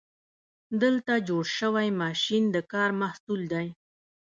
دلته جوړ شوی ماشین د کار محصول دی.